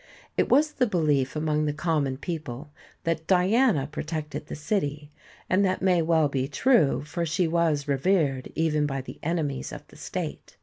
It was the belief among the common people that Diana protected the city, and that may well be true for she was revered even by the enemies of the state.